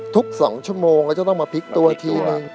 ทุก๒ชั่วโมงก็จะต้องมาพลิกตัวอีกทีนึง